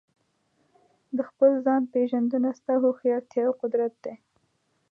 د خپل ځان پېژندنه ستا هوښیارتیا او قدرت دی.